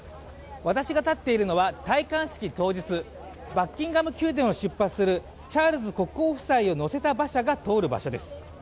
私が立っているのは戴冠式当日、バッキンガム宮殿を出発するチャールズ国王夫妻を乗せた馬車が通る場所です。